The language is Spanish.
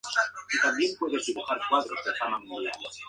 Tiene Varias Canciones como: I'll be there, Enough y Everything